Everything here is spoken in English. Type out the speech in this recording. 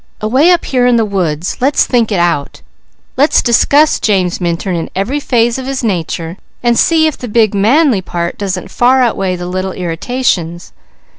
"Away up here in the woods let's think it out! Let's discuss James Minturn in every phase of his nature and see if the big manly part doesn't far outweigh the little irritations.